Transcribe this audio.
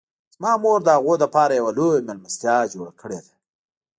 زما مور د هغوی لپاره یوه لویه میلمستیا جوړه کړې ده